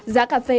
giá cà phê